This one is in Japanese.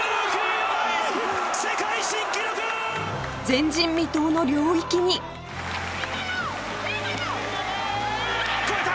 前人未到の領域に超えた！